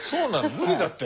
無理だって。